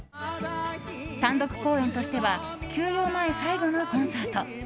単独公演としては休養前最後のコンサート。